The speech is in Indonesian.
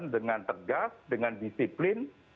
dengan tegas dengan disiplin